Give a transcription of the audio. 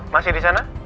masih di sana